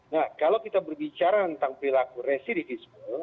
nah kalau kita berbicara tentang pelaku residis